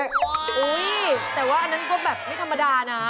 แต่ว่าอันนั้นก็แบบไม่ธรรมดานะ